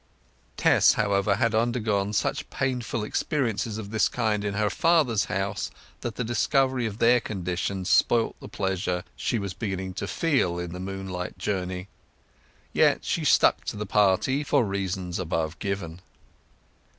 Tess, however, had undergone such painful experiences of this kind in her father's house that the discovery of their condition spoilt the pleasure she was beginning to feel in the moonlight journey. Yet she stuck to the party, for reasons above given.